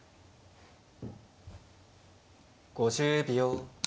５０秒。